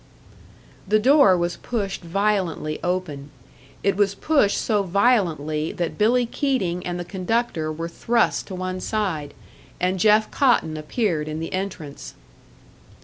The door was pushed violently open. It was pushed so violently that Billy Keating and the conductor were thrust to one side; and Jeff Cotton appeared in the entrance.